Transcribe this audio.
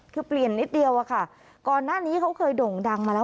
คือเปลี่ยนนิดเดียวอะค่ะก่อนหน้านี้เขาเคยโด่งดังมาแล้ว